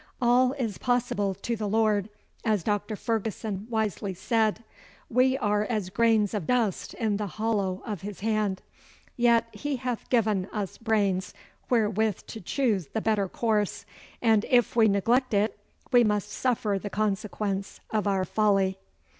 All is possible to the Lord, as Dr. Ferguson wisely says. We are as grains of dust in the hollow of His hand. Yet He hath given us brains wherewith to choose the better course, and if we neglect it we must suffer the consequence of our folly.